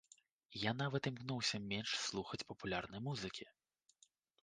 Я нават імкнуся менш слухаць папулярнай музыкі.